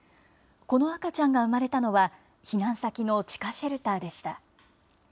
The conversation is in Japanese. この赤ちゃんが産まれたのは、避難先の地下シェルターでした。